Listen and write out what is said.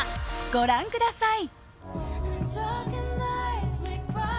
ご覧ください。